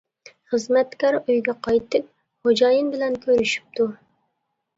خىزمەتكار ئۆيگە قايتىپ خوجايىن بىلەن كۆرۈشۈپتۇ.